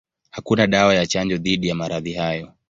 Hakuna dawa ya chanjo dhidi ya maradhi hayo.